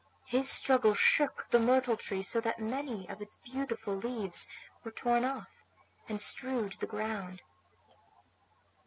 His struggle shook the myrtle tree so that many of its beautiful leaves were torn off, and strewed the ground.